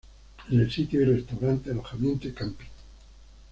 En el sitio hay restaurante, alojamiento y camping.